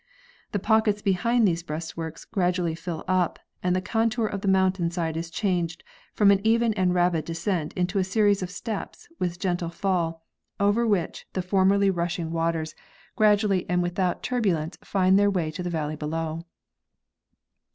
The pockets behind these breastworks gradually fill up, and the contour of the mountain side is changed from an even and rapid descent into a series of ° steps with gentle fall, over which the formerly rushing waters, Processes of Afforestation. 143 gradually and without turbulence, find their way to the valley below.